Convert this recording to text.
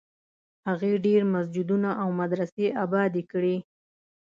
هغې ډېر مسجدونه او مدرسې ابادي کړې.